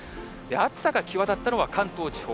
暑さが際立ったのは関東地方。